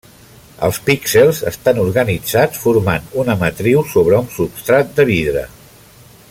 Els píxels estan organitzats formant una matriu sobre un substrat de vidre.